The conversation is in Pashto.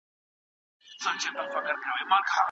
ماشومان ولي دومره پوښتني کوي؟